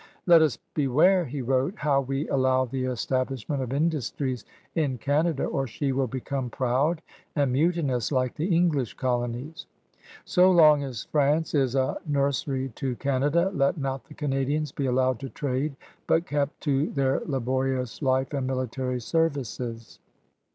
"Let us beware," he wrote, "how we allow the establish ment of industries in Canada or she will become proud and mutinous like the English colonies. So long as France is a nursery to Canada, let not the Canadians be aQowed to trade but kept to their laborious life and military services."